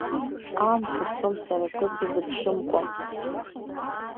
Аамҭа цом сара акы сазыԥшымкәа.